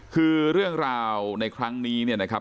คือเรื่องราวในครั้งนี้เนี่ยนะครับ